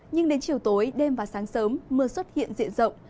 nhưng đến chiều tối đêm và sáng sớm mưa xuất hiện diện rộng